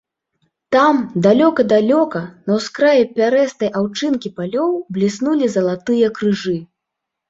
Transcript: Там, далёка-далёка, на ўскраі пярэстай аўчынкі палёў бліснулі залатыя крыжы.